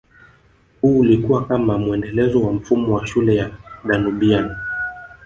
Huu ulikua kama muendelezo wa mfumo wa shule ya Danubian